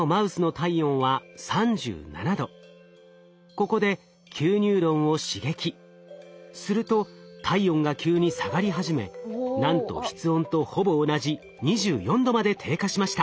ここですると体温が急に下がり始めなんと室温とほぼ同じ２４℃まで低下しました。